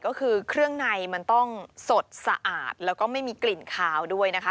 ก็คือเครื่องในมันต้องสดสะอาดแล้วก็ไม่มีกลิ่นคาวด้วยนะคะ